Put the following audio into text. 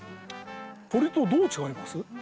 鳥とどう違います？